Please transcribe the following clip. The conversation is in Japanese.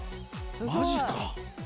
マジか。